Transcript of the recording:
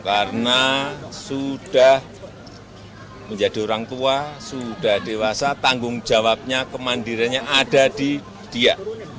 karena sudah menjadi orang tua sudah dewasa tanggung jawabnya kemandirannya ada di dia